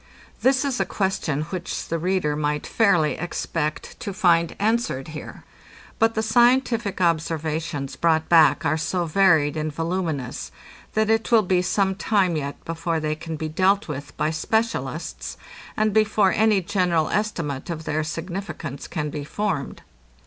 This is a question which the reader might fairly expect to find answered here; but the scientific observations brought back are so varied and voluminous that it will be some time yet before they can be dealt with by specialists and before any general estimate of their significance can be formed.